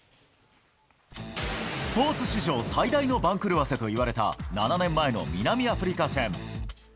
スポーツ史上最大の番狂わせといわれた、７年前の南アフリカ戦。